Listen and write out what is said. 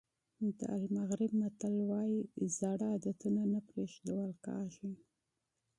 د المغرب متل وایي زاړه عادتونه نه پرېښودل کېږي.